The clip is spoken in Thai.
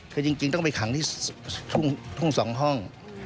คือจริงต้องไปขังที่ทุ่ง๒ห้อง